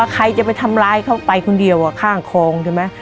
ใครจะไปทำร้ายเขาไปคนเดียวข้างคลองใช่ไหม